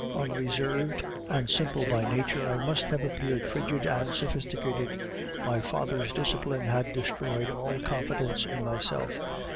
Unreserved and simple by nature, I must have appeared frigid and sophisticated. My father's discipline had destroyed all confidence in myself.